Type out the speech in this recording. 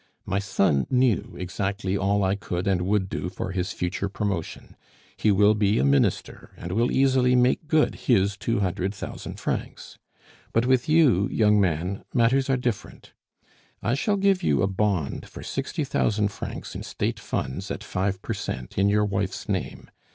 My son knew exactly all I could and would do for his future promotion: he will be a Minister, and will easily make good his two hundred thousand francs. But with you, young man, matters are different. I shall give you a bond for sixty thousand francs in State funds at five per cent, in your wife's name.